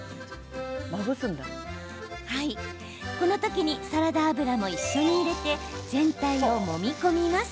この時にサラダ油も一緒に入れて全体をもみ込みます。